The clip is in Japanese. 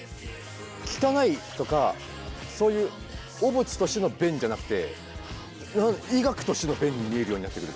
汚いとかそういう汚物としての便じゃなくて医学としての便に見えるようになってくるというか。